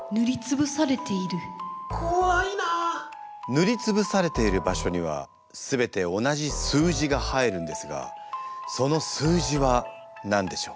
塗り潰されている場所には全て同じ数字が入るんですがその数字は何でしょう？